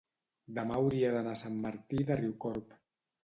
demà hauria d'anar a Sant Martí de Riucorb.